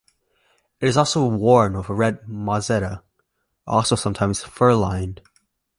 It is often worn with a red mozzetta, also sometimes fur-lined.